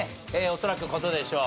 恐らく事でしょう。